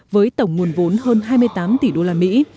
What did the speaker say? với tổng nguồn vốn hơn hai mươi tám tỷ đô la mỹ